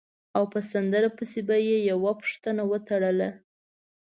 او په سندره پسې به یې یوه پوښتنه وتړله.